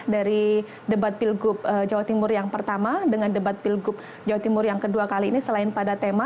dari debat pilgub jawa timur yang pertama dengan debat pilgub jawa timur yang kedua kali ini selain pada tema